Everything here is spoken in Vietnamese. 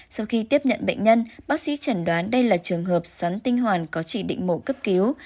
sau khi tiếp nhận bệnh nhân bác sĩ chẳng đoán đây là trường hợp xoắn tinh hoàng có chỉ định mổ cấp cứu